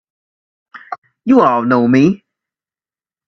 You all know me!